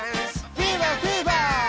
フィーバーフィーバー。